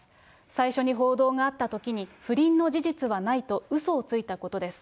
最初に報道があったときに、不倫の事実はないと、うそをついたことです。